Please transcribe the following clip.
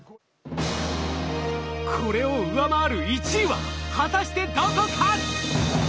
これを上回る１位は果たしてどこか？